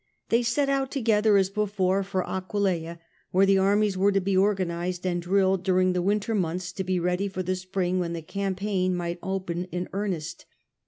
They set out together, as before, for Aquileia, where the armies were to be organized and drilled during the winter months, to be ready for the spring when the campaign might open in real earnest.